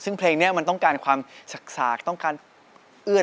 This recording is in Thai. ซึ่งเพลงนี้มันต้องการความสากต้องการเอื้อน